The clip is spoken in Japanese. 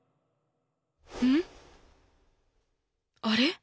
あれ？